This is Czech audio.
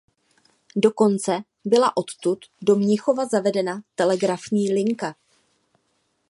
Dokonce byla odtud do Mnichova zavedena telegrafní linka.